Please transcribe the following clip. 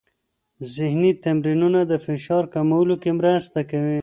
ذهني تمرینونه د فشار کمولو کې مرسته کوي.